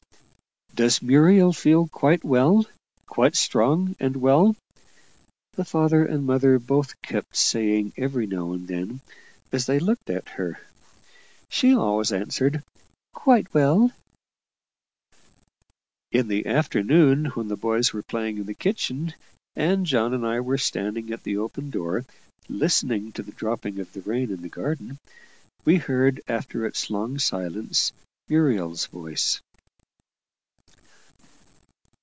"Does Muriel feel quite well quite strong and well?" the father and mother both kept saying every now and then, as they looked at her. She always answered, "Quite well." In the afternoon, when the boys were playing in the kitchen, and John and I were standing at the open door, listening to the dropping of the rain in the garden, we heard, after its long silence, Muriel's "voice."